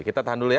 kita tahan dulu ya